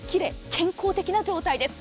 健康的な状態です。